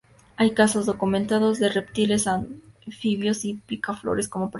Hay casos documentados de reptiles, anfibios y picaflores como presas.